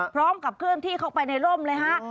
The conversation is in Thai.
พร้อมกับเคลื่อนที่เข้าไปในร่มเลยฮะ